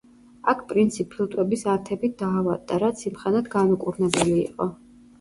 აქ პრინცი ფილტვების ანთებით დაავადდა, რაც იმ ხანად განუკურნებელი იყო.